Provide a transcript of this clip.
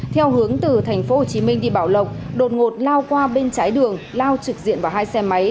theo hướng từ tp hcm đi bảo lộc đột ngột lao qua bên trái đường lao trực diện vào hai xe máy